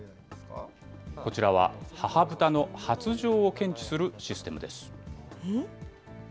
こちらは、母豚の発情を検知するシステムです。